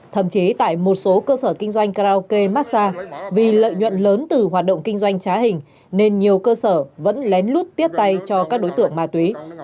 thậm chí tại một số cơ sở kinh doanh karaoke massage vì lợi nhuận lớn từ hoạt động kinh doanh trá hình nên nhiều cơ sở vẫn lén lút tiếp tay cho các đối tượng ma túy